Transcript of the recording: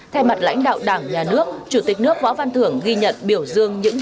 theo mặt lãnh đạo đảng nhà nước chủ tịch nước võ văn thưởng ghi nhận biểu dương những chiến thắng